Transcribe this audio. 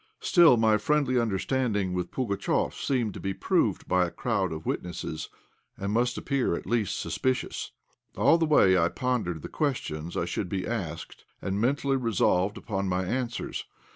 Still my friendly understanding with Pugatchéf seemed to be proved by a crowd of witnesses, and must appear at least suspicious. All the way I pondered the questions I should be asked, and mentally resolved upon my answers.